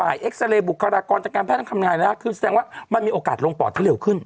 เอ็กซาเรย์บุคลากรจากการแพทย์ต้องทำงานแล้วคือแสดงว่ามันมีโอกาสลงปอดที่เร็วขึ้น